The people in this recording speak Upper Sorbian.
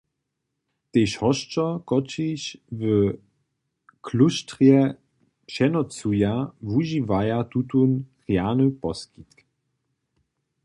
Tež hosćo, kotřiž w klóštrje přenocuja, wužiwaja tutón rjany poskitk.